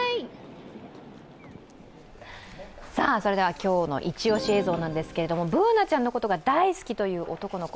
今日の一押し映像なんですけれども、Ｂｏｏｎａちゃんのことが大好きという男の子。